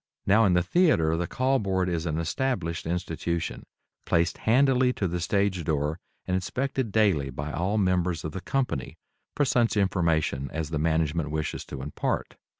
Now in the theatre the Call Board is an established institution, placed handily to the stage door and inspected daily by all members of the company for such information as the management wishes to impart.